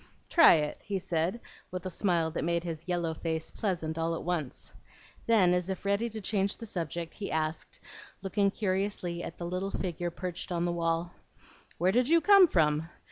"Try it," he said, with a smile that made his yellow face pleasant all at once. Then, as if ready to change the subject, he asked, looking curiously at the little figure perched on the wall, "Where did you come from?